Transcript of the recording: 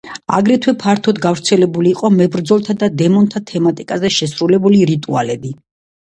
აგრეთვე ფართოდ გავრცელებული იყო მებრძოლთა და დემონთა თემატიკაზე შესრულებული რიტუალები.